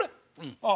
ああ